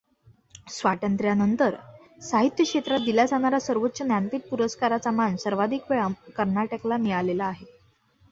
स्वातंत्र्यानंतर साहित्य क्षेत्रात दिला जाणाऱ्या सर्वोच्च ज्ञानपीठ पुरस्काराचा मान सर्वाधिक वेळा कर्नाटकला मिळालेला आहे.